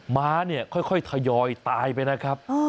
ม้าเนี่ยค่อยทยอยตายไปนะครับ